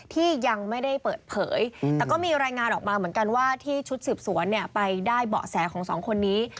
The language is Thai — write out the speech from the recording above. ที่ยังไม่ได้เปิดเผยแต่ก็มีรายงานออกมาเหมือนกันว่าที่ชุดสืบสวนไปได้เบาะแสของสองคนนี้